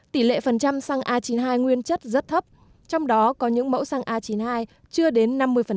tỷ lệ phần trăm xăng a chín mươi hai nguyên chất rất thấp trong đó có những mẫu xăng a chín mươi hai chưa đến năm mươi